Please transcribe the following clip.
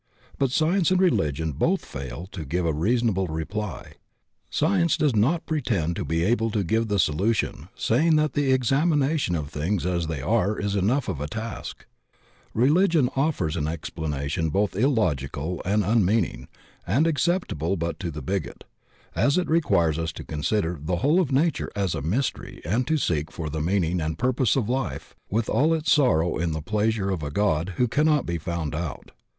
But Science and Religion both fail to give a reasonable reply. Science does not pretend to be able to give the solution, saying that the examination of things as they are is enough of a task; religion offers an explanation both illogical and unmeaning, and accept able but to tile bigot, as it requires us to consider flie whole of Nature as a mystery and to seek for the meaning and purpose of life with all its sorrow in the pleasure of a God who cannot be found out.